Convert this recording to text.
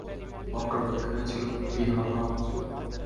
মক্কার দক্ষিণে ছিল তিহামা অঞ্চল।